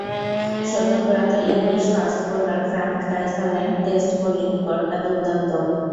সদ্য প্রয়াত English fast bowler Frank টাইসনের টেস্ট বোলিং গড়টা দুর্দান্ত।